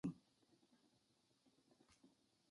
مس ګېج وویل: نن غرمه له خیره راځي، سمدستي را رسېږي.